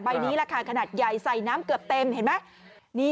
นี้ราคาขนาดใหญ่ใส่น้ำเกือบเต็มเห็นไหม